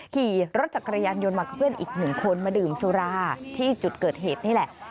ขี่รถจักรยานยนต์มากับเพื่อนอีกหนึ่งคนมาดื่มสุราที่จุดเกิดเหตุนี่แหละ